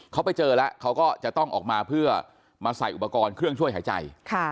เขาไปเจอแล้วเขาก็จะต้องออกมาเพื่อมาใส่อุปกรณ์เครื่องช่วยหายใจ